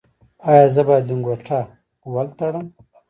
ایا زه باید لنګوټه ول تړم؟